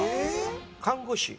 看護師。